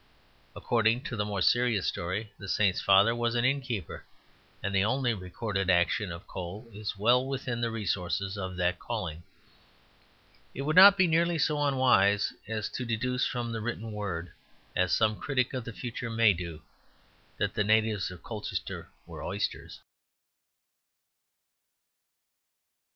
According to the more serious story, the saint's father was an innkeeper; and the only recorded action of Cole is well within the resources of that calling. It would not be nearly so unwise as to deduce from the written word, as some critic of the future may do, that the natives of Colchester were oysters.